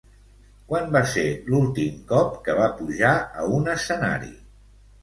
Quan va ser l'últim cop que va pujar a un escenari?